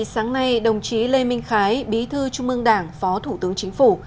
hôm nay đồng chí lê minh khái bí thư trung mương đảng phó thủ tướng chính phủ